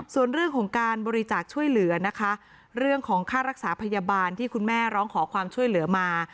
ส่วนเรื่องของการบริจาคช่วยเหลือนะคะเรื่องของค่ารักษาพยาบาลที่คุณแม่ร้องขอความช่วยเหลือมา